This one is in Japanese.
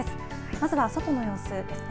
まずは外の様子ですね。